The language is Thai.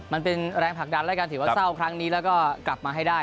มันเป็นแรงหักดันแล้วกลับมาให้ได้